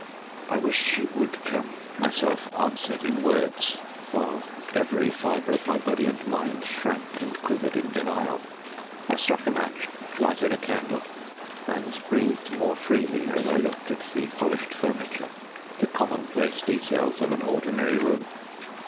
"I wish she would come," myself answered in words, while every fibre of my body and mind shrank and quivered in denial. I struck a match, lighted a candle, and breathed more freely as I looked at the polished furniture the commonplace details of an ordinary room.